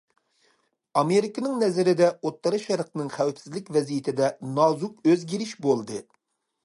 ئامېرىكىنىڭ نەزىرىدە ئوتتۇرا شەرقنىڭ خەۋپسىزلىك ۋەزىيىتىدە نازۇك ئۆزگىرىش بولدى.